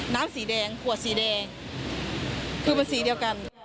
น้ำสีแดงขวดสีแดงคือมันสีเดียวกัน